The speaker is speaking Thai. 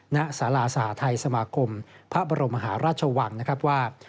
ณสาราสหทัยสมาคมพระบรมมหาราชวังนะครับว่า